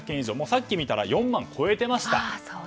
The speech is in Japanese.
さっき見たら４万を超えていました。